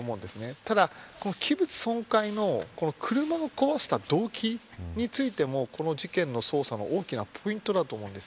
ただ、器物損壊の車を壊した動機についてもこの事件の捜査の大きなポイントだと思うんです。